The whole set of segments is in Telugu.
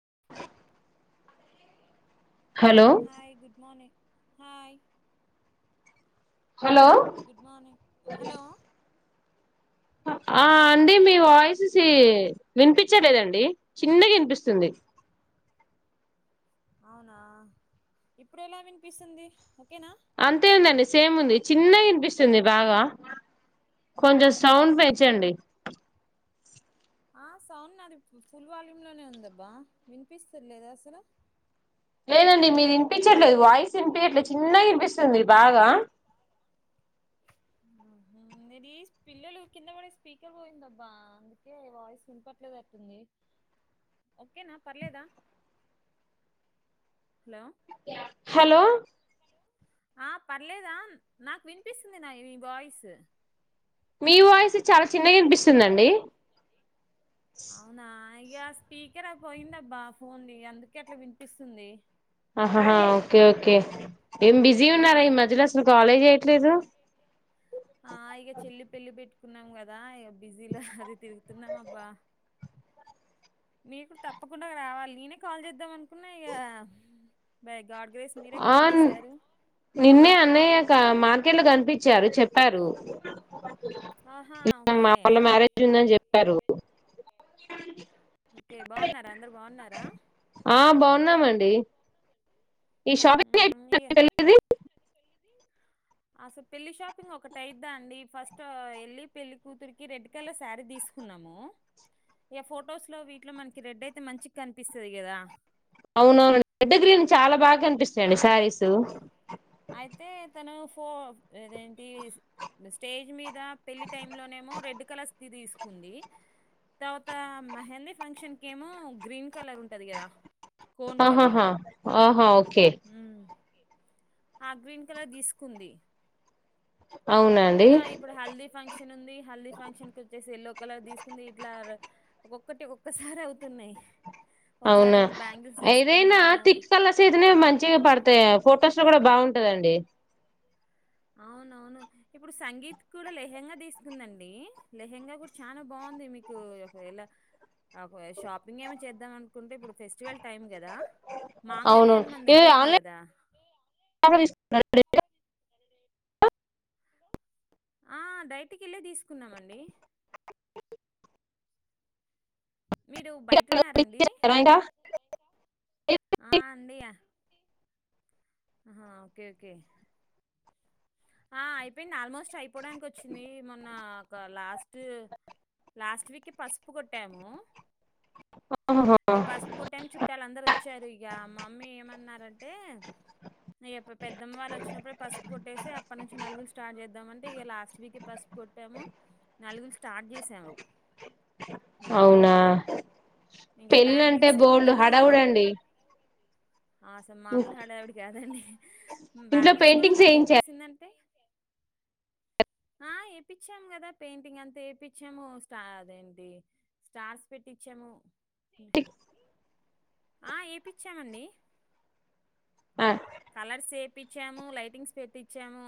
అవే hi good morning hi hello good morning hello అ ఆ బా అండి మీ వాయిసిస్ చీ వినిపించలేదండి చిన్నగా వినిపిస్సుంది. అవునా ఇప్పుడు ఎలా వినిపిస్సుంది ఓకేనా అంతే ఉందండి సేమ్ ఉంది చిన్న ఇనిపిస్సుంది బాగా కొంచం సౌండ్ అవునా పెంచండి ఆ సౌండ్ నాది ఫుల్ వాల్యూమ్ లోనే ఉందబ్బా వినిపిస్తా లేదా అసలు లేదండి మీది వినిపించట్లేదు వాయిస్ వినిపియ్యట్లేదు చిన్నగా వినిపిస్తుంది బాగా అది పిల్లలు కింద పడేసి స్పీకర్ పోయిందబ్బా అందుకే వాయిస్ వినపడలేనట్లుంది ఓకేనా పర్లేదా హలో హలో ఆ పర్లేదా నాకు వినిపిస్తుంది ఉన్నాయి నీ వాయిస్ మీ వాయిస్ చాలా చిన్నగా వినిపిస్తుందండి అయ్యా స్పీకర్ ఆ పోయిందబ్బా ఫోన్ ది అందుకే అట్లా వినిపిస్తుంది ఆహాహా ఓకే ఓకే ఏం బిజీగా ఆ ఉన్నారా ఈ మధ్యలో అసలు కాలే చేయట్ లేదు ఆ ఇక చెల్లి పెళ్లి పెట్టుకున్నాం కదా ఇక బిజీలా హహ్ హ అది తిరుగుతున్నాం అబ్బా నీకు తప్పకుండా రావాలి నేనే కాల్ చేద్దాం అనుకున్నా ఇక బ్యాగ్ ఆ నిన్నే అన్నయ్య ఇక మార్కెట్లో కనిపించ్ ఇచ్చారు చెప్పారు ఆహా ఓకే మా వాళ్ళ మ్యారేజ్ ఉందని చెప్ చెప్పారు ఓకే బాగున్నారా అందరూ బాగున్నారా ఉన్నామండీ ఈ షాపింగ్ [unintelligible] అది ఇగ ఇనోఅడిబుల్ అసలు పెళ్లి షాపింగ్ ఒకటైద్దా అండి ఫస్ట్ ఆ వెళ్లి పెళ్లి కూతురికి రెడ్ కలర్ శ్యారీ తీసుకున్నాము ఎ ఫొటోస్ లో వీటిలో మనకి రెడ్ అయితే మంచిగా కనిపిస్తాది కదా అవునవునండి రెడ్ గ్రీన్ చాలా బాగా కనిపిస్తాయండీ శారీస్ ఏదేంటి స్టేజ్ మీద్ ఇంకా పెళ్లి టైమ్ లోనేమో రెడ్ కలర్ శ్యా ఇది తీసుకుంది తర్వాతా మెహందీ ఫంక్షన్ కేమో గ్రీన్ కలర్ ఉంటది గదా ఆహాహా ఆహా ఒకే ఆ గ్రీన్ కలర్ తీసుకుందీ అవునా అండి కదా ఇప్పుడు హల్దీ ఫంక్షన్ ఉంది హల్దీ ఫంక్షన్ కుచ్చేసెల్లో ప్ ఇక్కలా తీసుకుంది ఇట్లా ఆర్ ఒక్కటి ఒక్కసారవుతున్న యి అవునా ఏదైనా తిక్ కలర్స్ ఐతనే మంచిగా పడతయ్ ఫొటోస్ లో గుడా బాగుంటదండీ అవును అవును ఇప్పుడు సంగీత్ కూడా లెహెంగా తీసుకుందండీ లెహెంగా కూడా చానా బాగుంది మీకూ ఒకవేళ షాపింగ్ ఏమి చేద్దాం అనుకుంటే ఇప్పుడు ఫెస్టివల్ టైమ్ గదా అవును మాంగళ్యాన్ మన ఇది దగ్గర ఉంది గదా ప్రే ఎ ఆ బయటికెళ్ళే తీసుకున్నామండీ మీరు బయటన్నారా అండి తీసుకున్నారా ఇంకా ఆ అండీ యా హా ఒకే ఒకే ఆ అయిపోయింది ఆల్మోస్ట్ అయిపోవడానికొచ్చింది మొన్నా ఒక లాస్ట్ లాస్ట్ వీక్కి పసుపు కొట్టామూ ఆహాహా ఇగ పసుపు కొట్టాము చుట్టాలందరు వచ్చారు ఇగా మమ్మీ ఏమన్నారం టే ఇగ పె పెద్దమ్మ వాళ్ళు వచ్చినప్పుడు పసుపు కొట్టేసా నలుగురు స్టార్ట్ చేద్దామంటే ఇగ లాస్ట్ వీకే పసుపు కొట్టామూ నలుగురు స్టార్ట్ చేసారు అవునా ఇంక పెళ్ళంటే బ్యాంగిల్స్ ఏమో బోల్డ్ హడవుడండీ ఆస మామూలుగా హడావిడి కాదండీ ఇంట్లో బ్యాంగిల్స్ కూడా పెయింటింగ్స్ తను ఏం వేయించారా చేసిందన్ ఆ ఎపిచ్చాము గదా పెయింటింగ్ అంతా ఎపిచ్చాము స్టార్స్ అదండి స్టార్స్ పెట్టిచ్చాము కొత్త ఇళ్ల అండి అది ఆ ఏపిచ్చామండీ ఆ కలర్స్ ఏపిచ్చామూ లైటింగ్స్ పెట్టించామూ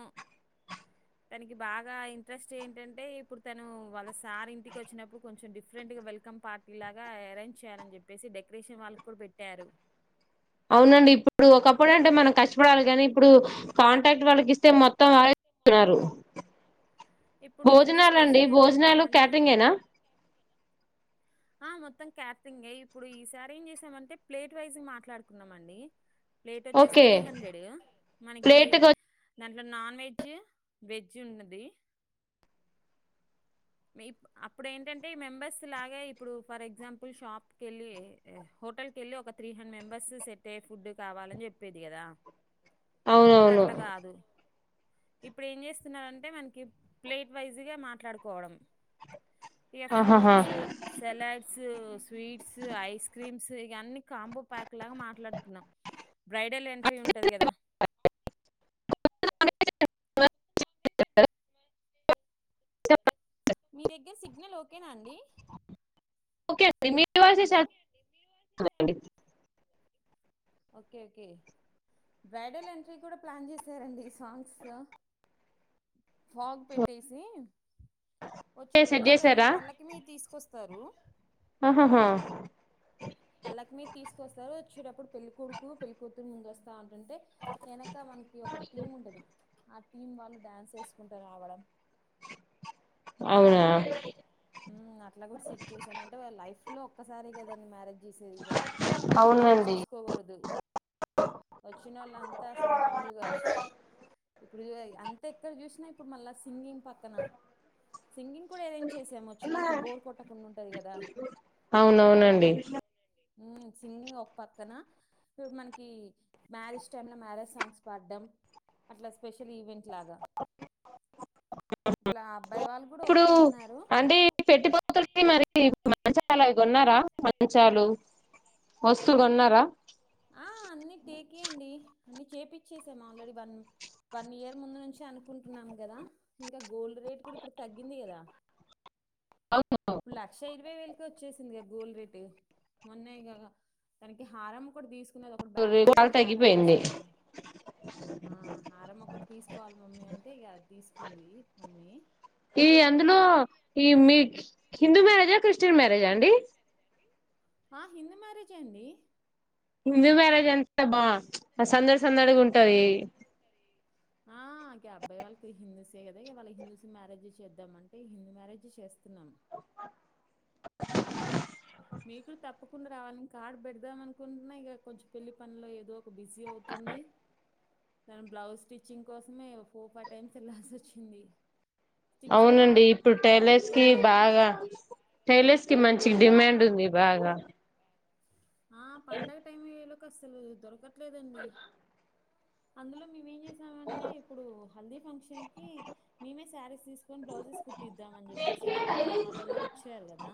తనకి బాగా ఇంట్రెస్ట్ ఏంటంటే ఇప్పుడు తను వాళ్ళ సార్ ఇంటికి వచ్చినప్పుడు కొంచెం డిఫరెంట్ గా వెల్కమ్ పార్టీ లాగా అరేంజ్ చేయాలని చెప్పేసి డెకరేషన్ వాళ్ళకు కూడా పెట్టారూ అవునండి ఇప్పుడు ఒకప్పుడు అంటే మనం కష్టపడాలి కానీ ఇప్పుడు కాంటాక్ట్ వాళ్ళకి ఇస్తే మొత్తం వాళ్ళే చేస్తున్నారు ఇప్పుడు వీళ్ళది భోజనాలండీ స్పెషల్ భోజనాలు ఏంటంటేనండి క్యాటరింగేనా ఆ! మొత్తం క్యాటరింగే ఇప్పుడు ఈ సారి ఏం చేసామంటే ప్లేట్ వైజ్ గా మాట్లాడుకున్నామండీ ప్లేట్ వచ్చేసి ఓకే త్రీ హండ్రెడ్ మనకీ ప్లేట్ కి దాంట్లో నాన్ వెజ్జు వెజ్జు ఉన్నది అప్పుడ ఏంటంటే మెంబెర్స్ లాగే ఇప్పుడు ఫర్ ఎగ్జాంపుల్ షాప్ కెళ్ళీ హోటల్ కెళ్ళీ ఒక త్రీ హండ్రెడ్ మెంబెర్స్ సెట్ అయ్యే ఫుడ్ కావాలని చెప్పెది కదా ఇప్పుడు అవునవును అట్లా కాదు ఇప్పుడు ఏం చేస్తున్నారంటే మనకి ప్లేట్ వైజ్ గా మాట్లాడుకోవడం ఇగ ఆహాహా fruits salads sweets ice creams ఇవన్నీ కాంబో ప్యాక్ లాగా మాట్లాడుకున్నాం బ్రైడల్ ఎంట్రీ ఉంటది కదా మీ దగ్గర సిగ్నల్ ఓకేనా అండి ఓకే అండి మీ వాయిసే hello [inaudible] okay okay bridal entry కూడా ప్లాన్ చేశారండి సాంగ్స్ తో ఫాగ్ పెట్టేసి సెట్ వచ్చేటప్పుడు తనని చేసారా పల్లకి మీద తీసుకొస్ వత్తారు ఆహాహా పల్లకి మీద తీసుకొస్తారు వచ్చేటప్పుడు పెళ్ళికొడుకు పెళ్ళికూతురు ముందు వస్తా అంటంటే వెనక మనకి ఒక టీమ్ ఉంటుంది ఆ టీం వాళ్ళు డ్యాన్స్ వేసుకుంటూ రావడం అవునా ఉమ్ అట్లా కూడా చెస్ చేసామంటే లైఫ్ లో ఒక్కసారే కదా అండి మ్యారేజ్ చేసిది ఇగ మనీ గురించి అవునండి చూసుకోకూడదు వొచ్చినొల్లంతా అసలు మామలుగా ఇప్పుడు చూడై అంత ఎక్కడ చూసినా ఇప్పుడు మళ్ళా సింగింగ్ పక్కన సింగింగ్ కూడా అరేంజ్ చేసాము వచ్చిన వాళ్లకి బోర్ కొట్ట కుండ ఉంటది కదా అవునవునండి సింగింగ్ ఒక పక్కన ఇటు మనకి మ్యారేజ్ టైమ్ లో మ్యారేజ్ సాంగ్స్ పాడ్డం అట్లా స్పెషల్ ఈవెంట్ ఇట్లాగా ఇట్లా అబ్బాయి వాళ్ళు కూడా ఒకే అన్నారు అండి పెట్టిపోతలకి మరి మంచి చాలు అవి గోన్నారా మంచాలు వస్తువు గోన్నారా ఆ అన్ని టేకే అండి అన్ని చేపిచ్చేసాం ఆల్రెడీ వన్ వన్ ఇయర్ ముందు నుంచే అనుకుంటున్నాం గదా ఇంకా గోల్డ్ రేట్ కూడా ఇప్పుడు తగ్గింది గదా అవును లక్ష ఇరవై వేలు కు వచ్చేసింది గా గోల్డ్ రెట్ మొన్నేగద దానికి హారం అప్పుడు తీసు కునేది ఒకటి బ్యాలెన్స్ రేట్ ఉంటే చాలా హారం తగ్గిపోయింది తీసుకున్న ఆ హారం ఒకటి తీసుకోవాలి మమ్మీ అంటే ఇగ అది తీసుకుంది మమ్మీ ఈ అందులో ఈ మీ హిందూ మ్యారేజా క్రిస్టియన్ మ్యారేజా అండి ఆ హిందు మ్యారేజ్ అండి హిందూ మ్యారేజ్ అంతా బా సందడి సందడిగా ఉంటంది ఆకే అబ్బాయి వాళ్ళకి హిందూసే కదా ఇగ వాళ్ళకి హిందూస్ మ్యారేజ్ చేద్దాం అంటే హిందూ మ్యారేజ్ చేస్తున్నాం మీకు తప్పకుండా రావాలి అని కార్డ్ పెడదాం అనుకుంటున్నా ఇక కొంచెం పెళ్ళి పనిలో ఏదో ఒక బిజీ అవుతుంది దను బ్లౌజ్ స్టిచ్చింగ్ కోసమే ఫోర్ ఫైవ్ టైమ్స్ వెళ్ళాల్సి వచ్చింది స్టిచ్చింగ్ అవునండి ఇప్పుడు అంతలో పండగ టైలర్స్ టైం కి కదా బాగా టైలర్స్ కి మం చి డిమాండ్ ఉంది బాగా ఆ పండగ టైమ్ ఎలో అస్సలు దొరక్ ట్లేదండి అందులో మేమేం చేస సామంటే ఇప్పుడు హల్దీ ఫంక్షన్ కి మేమే శారీస్ తీసుకొని బ్లౌజెస్ కుట్టిద్దాం అని చెప్పేసి ఎట్లాగో మా వాళ్ళందరు వచ్చారు కదా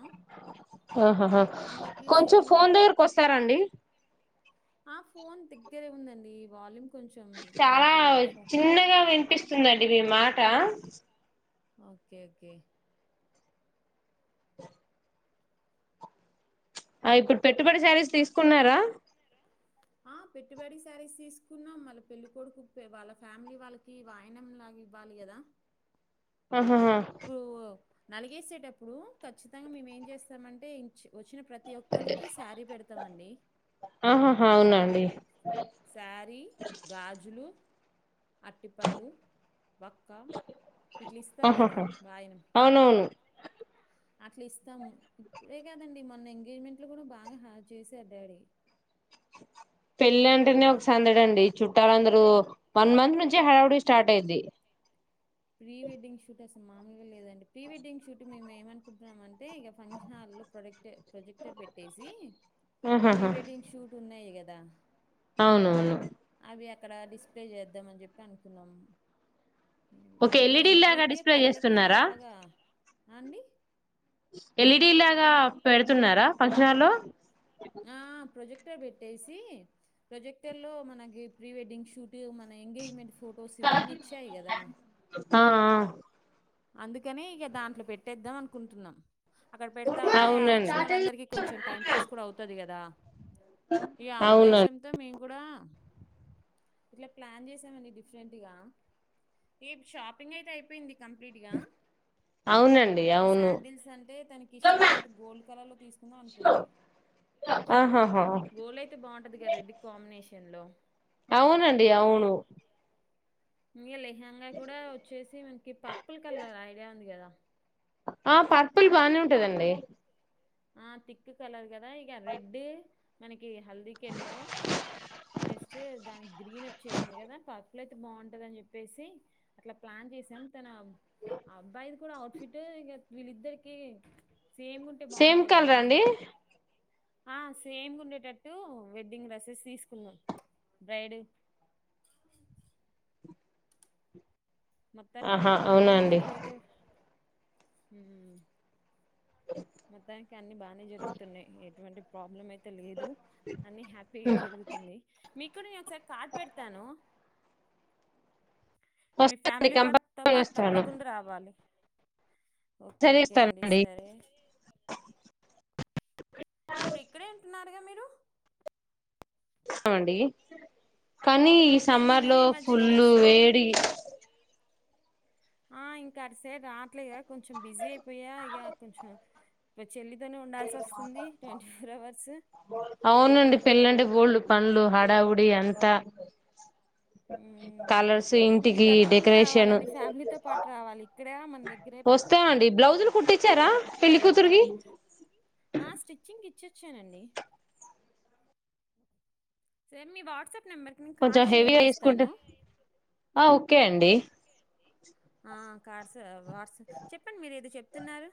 అందరికి సేమ్ గుండేటట్టు కొస్తారండి ఆ ఫోన్ దగ్గరే ఉందండి వాల్యూమ్ కొంచెం చాలా మీకు ఫో చిన్నగా వినిపిస్తుందం డి మీ మాట ఓకే ఓకే ఆ ఇప్పుడు పెట్టుబడి శారీస్ తీసుకున్నారా ఆ పెట్టుబడి శారీస్ తీసుకున్నాం మళ్ళ పెళ్ళికొడుకు వాళ్ళ ఫ్యామిలీ వాళ్ళకి వాయనం లాగా ఇవ్వాలి కదా ఆహాహా ఇప్పుడు నలిగేసేటప్పుడు ఖచ్చితంగా మేము ఏం చేస్తామంటే ఇంచ్ వచ్చిన ప్రతి ఒక్కలికి శారీ పెడతామండి ఆహాహా అవునా అండి శారీ గాజులు అట్టిపండు వక్క ఇట్లు ఇస్తారు కదా ఆహాహా వాయనం అవునవును అట్లా ఇస్తాము ఇప్పుడే కాదండి మొన్న ఎంగేజ్మెంట్ లో కూడా బాగా హా చేశారు డాడీ పెళ్లి అంటేనే ఒక సందడి అండి చుట్టాలంద రు వన్ మంత్ నుంచి హడావుడి స్టార్ట్ అయ్యిది ప్రివెడ్డింగ్ షూట్ అస్ మామూగా లేదండీ ప్రీ వెడ్డింగ్ షూట్ మేము ఏమనుకుంటన్నామం టె ఇగ ఫంక్షన్ హాళ్ళో ప్రొడెక్ట్ ప్రొజెక్టర్ పెట్టేసి ప్రీ ఆహాహా వెడ్డింగ్ షూట్ ఉన్నాయి గ ద అవునవును అక్కడ డిస్ప్లే చేద్దాం అని చెప్పి అనుకున్నాము ఒక ఎల్ఈడి లాగా డిస్ప్లే చేస్తున్నారా బాగా అండి ఎల్ఈడి లాగా పెడుతున్నారా ఫంక్షన్ హాళ్ళో ఆ ప్రొజెక్టర్ పెట్టేసి ప్రొజెక్టర్ లో మనకి ప్రీ వెడ్డింగ్ షూటు మన ఎంగేజ్మెంట్ ఫ్ ఫోటోస్ ఇవన్నీ వచ్చాయి కదా ఆ ఆ అందుకేనే ఇంక దాంట్లో పెట్టేద్దాం అనుకుంటున్నా అక్కడ పెడతా యా అవునండి వచ్చినోళ్లందరికీ కొంచెం టైం పాస్ కూడా అవుతది కదా ఇగ ఆ అవునండి ఉద్దేశంతో మేం కూడ ఇట్లా ప్లాన్ చేసామండి డిఫరెంట్గా ఏ షాపింగ్ అయితే అయిపోయింది కంప్లీట్ గా అవునండి అవును సండీల్స్ అంటే తన ఇష్టటు గోల్డ్ కలర్ లో తీసుకుందామనినుకుంది ఆహాహా గోల్డ్ అయితే బాగుంటది రెడ్ కాంబినేషన్ కిచన్లో అవునండి అవును ఇంగ లే [unintelligible] కూడ వచ్చే ఈ పర్పుల్ కలర్ ఐడియా ఉంది కదా ఆ పర్పుల్ బానే ఉంటదండి ఆ తిక్ కలర్ కదా ఇగ రెడ్ మనకి హల్దీకెల్లో నెక్స్ట్ దానికి గ్రీన్ వచ్చేసింది కదా పర్పుల్ అయితే బాగుంటుందని అని చెప్పేసి అట్లా ప్లాన్ చేసాం నా ఆ అబ్బాయిలు కూడ ఔట్ ఫిట్ వీళ్ళిద్దరిక సేమ్ ఉంటే బాగున్ కలరా అండి ఆ సేమ్ ఉండేటట్టు వెడ్డింగ్ డ్రెస్సెస్ తీసుకున్నాం బ్రైడ్ ఇ మొత్తానినికి అయితే ఆహా పర్లేదండి అవునండి ఇప్పుడైతే హ మొత్తానికి అన్ని బానే జరుగుతున్నాయి ఎ ఇటువంటి ప్రాబ్లమ్ అయి తె లేదు అన్ని హ్యాపీ జరుగుతుంది మీకుడ కాట్ పెడతాను మీ వస్తానండి ఫ్యామిలీ పాతో కంపల్సరీ పాటు వస్తాను తప్పకుండా రావాలి ఓకే సరే ఓకే అండి ఇస్తానండి సరే ఇప్పుడు ఇక్కడే ఉంటున్నారుగా మీరు ఇష్టం అండి కానీ ఈ ఓకే సమ్మర్ నేను లో ఈ మధ్యలో ఇక అటు ఫుల్లు సై- వేడి ఆ ఇంకా అట్ సేడ్ రాట్లే కదా కొంచెం బిజీ అయిపోయా ఇక కొంచెం చెల్లితోనే ఉండాల్సి వస్తుంది ట్వంటీ ఫోర్ అవర్స్ పండ్లు హడావుడి అంత మీ తప్పకుండా డెకరేషన్ రావాలండి ఫ్యామిలీతో పాటు రావాలి ఇక్కడే మన దగ్గరే వస్తానండి బ్లౌజులు కుట్టించారా పెళ్లికతురికి థ్యాంయూ ఆ స్టిచ్చింగ్ ఇచ్చొచ్చానండి స మీ వాట్సప్ కొంచెం హెవీగా వేసుకుంటే ఓకే అండి ఆ కార్డ్స్ వాట్సప్ చెప్పండి మీరు ఏది చె చెప్తున్నారు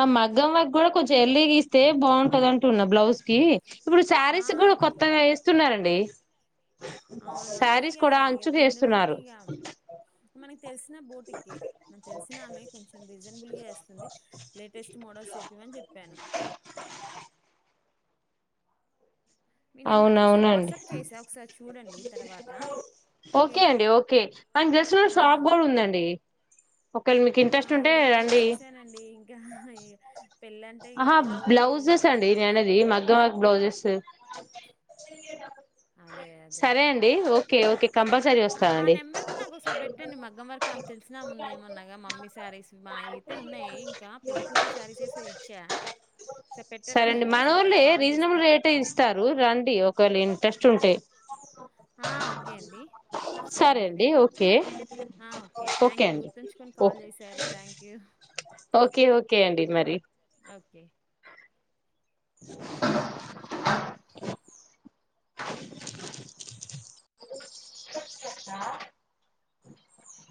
ఆ మగ్గం వకు కూడా కొంచెం ఎల్లీ గస్తే బాగుంటది అంటున్న బ్లౌజ్ కి ఇప్పుడు ఆ శారీస్ కూడా ఇప్ కొత్తగా వేస్తున్నారండి ప్లేస్ అవునవును ఇక ఇక ట్రెండ్ని బట్టి వేస్తున్నారు ఇక మనకి తెలిసిన బోటికి మన తెలిసిన ఆమె కొంచెం రీజనబుల్గా వస్తుంది లేటెస్ట్ మోడల్స్ చెప్పిమని చెప్పాను మీ నెంబర్కి ఒకసారి అవునవునండి వాట్సాప్ చేసా ఒకసారి చూడండి తర్వాత ఓకే ఓకేనా అండి ఓకే మన జస్ట్ ఆ షాప్ కూడా ఉందండి ఒకవేళ మీకు ఆ ఇంట్రెస్ట్ ఉంటే ఏమో రాండి ఇచ్చేసానండి ఇంకా పెళ్ళంటే ఇక ఏదో ఒకటి కంగారుకి ఒకే అదే [inaudible] అదే సరే అండి ఓ ఒకే ఓకే కంపల్సరీ ఆ ఆ వస్తానండి నెంబర్ కు నాకు ఒకసారి పెట్టండి మగ్గం వర్క్ ఆమె తెలిసినా ఆమె ఉందేమన్నాగా మమ్మీ శారీస్ మావి అయితే ఉన్నాయి ఇంకా పెళ్ళికూతురు శారీస్ అయితే ఇచ్చా ఒక సారి పెట్టా సరే రాదండి ఒకసారి కాల్ చేస్తా ఒకరోజు రండి ఒకవేళ ఎంత వచ్చుంటాయి ఆ ఓకే అండి సరే మరి అండి ఓకే ఆ ఓకే థ్యాంక్ యూ గుర్తుంచుకని ఓ కాల్ చేశారు థ్యాంక్ యూ ఓకే ఓకే అండి మరి ఓకే [inaudible] చెప్తా